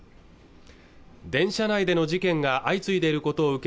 電車内での事件が相次いでいることを受け